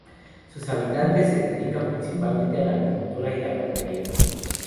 Sus habitantes se dedican principalmente a la agricultura y la ganadería.